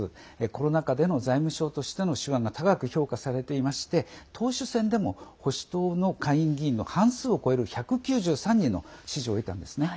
コロナ禍での財務相としての手腕が高く評価されていまして党首選でも保守党の下院議員の半数を超える１９３人の支持を得たんですね。